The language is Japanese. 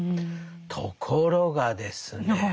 ところがですね